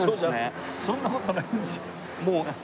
そんな事はないんですよ。